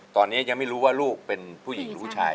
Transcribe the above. ตอนนี้ยังไม่รู้ว่าลูกเป็นผู้หญิงหรือผู้ชาย